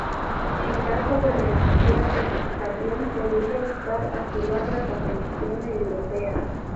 En caso de renunciar, el subcampeón podría optar a jugar la competición europea.